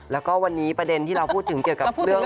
แล้วก็วันนี้ประเด็นที่เราพูดถึงเกี่ยวกับเรื่อง